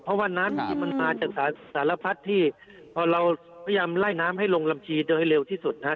เพราะว่าน้ำที่มันมาจากสารพัดที่พอเราพยายามไล่น้ำให้ลงลำชีโดยเร็วที่สุดนะฮะ